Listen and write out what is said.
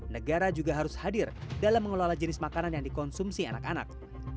negara juga harus hadir dalam mengelola jenis makanan yang dikonsumsi anak anak